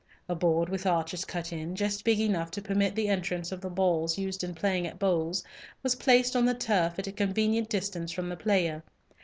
A board with arches cut in, just big enough to permit the entrance of the balls used in playing at bowls was placed on the turf at a convenient distance from the player.